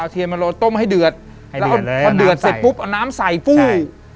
เทียนมาโรต้มให้เดือดแล้วพอเดือดเสร็จปุ๊บเอาน้ำใส่ฟู้